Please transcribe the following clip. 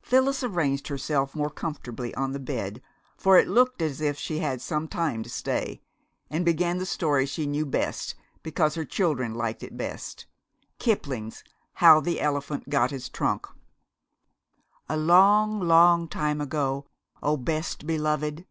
Phyllis arranged herself more comfortably on the bed, for it looked as if she had some time to stay, and began the story she knew best, because her children liked it best, Kipling's "How the Elephant Got His Trunk." "A long, long time ago, O Best Beloved...."